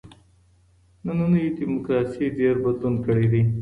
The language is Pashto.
نننۍ دموکراسي ډېر بدلون کړی دی.